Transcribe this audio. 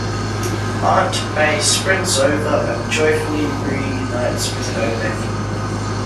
Aunt May sprints over and joyfully reunites with her nephew.